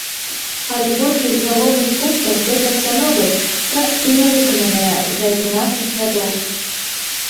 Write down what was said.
Але большасць галоўных пунктаў той пастановы так і нявыкананая за адзінаццаць гадоў.